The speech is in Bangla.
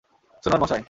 শুনুন, মশাই।